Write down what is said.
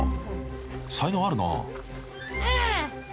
才能あるな］うう！